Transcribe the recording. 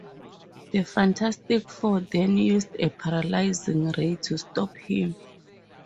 The Fantastic Four then used a paralyzing ray to stop him.